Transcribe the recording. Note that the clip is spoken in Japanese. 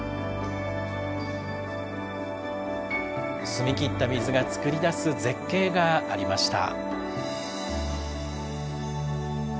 澄み切った水が作り出す絶景がありました。